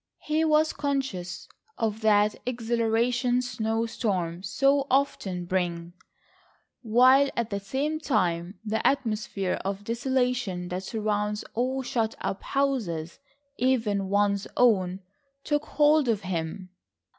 He was conscious of that exhilaration snow storms so often bring, while at the same time the atmosphere of desolation that surrounds all shut up houses, even one's own, took hold of him.